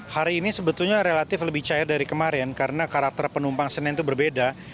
hari ini sebetulnya relatif lebih cair dari kemarin karena karakter penumpang senin itu berbeda